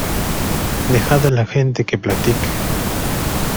¡ dejad a la gente que platique!